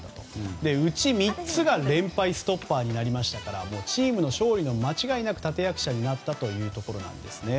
うち３つが連敗ストッパーになりましたからチームの勝利の間違いなく立役者になったということです。